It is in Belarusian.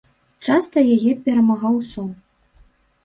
Часта яе перамагаў сон.